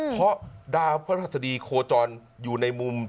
เพราะดาวน์พระภัทรศดีโคจรอยู่ในมุม